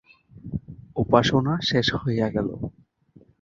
উপাসনা শেষ হইয়া গেল।